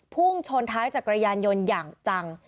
พุ่งชนท้ายจักรยานยนต์อย่างจัง